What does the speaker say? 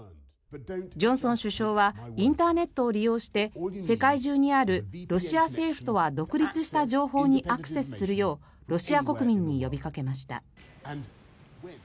ジョンソン首相はインターネットを利用して世界中にあるロシア政府とは独立した情報にアクセスするようロシア国民に呼びかけました。